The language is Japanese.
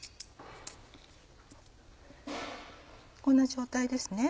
こんな状態ですね